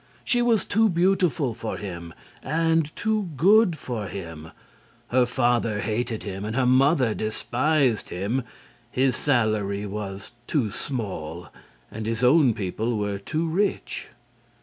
She was too beautiful for him and too good for him; her father hated him and her mother despised him; his salary was too small and his own people were too rich.